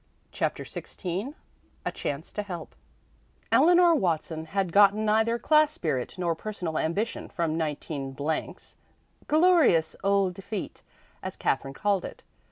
CHAPTER XVI A CHANCE TO HELP Eleanor Watson had gotten neither class spirit nor personal ambition from 19 's "glorious old defeat," as Katherine called it.